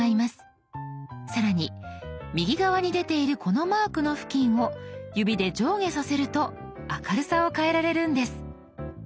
更に右側に出ているこのマークの付近を指で上下させると明るさを変えられるんです。